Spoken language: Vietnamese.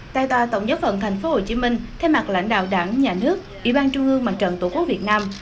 tại tòa tổng giáo phận thành phố hồ chí minh theo mặt lãnh đạo đảng nhà nước ủy ban trung ương mặt trận tổ quốc việt nam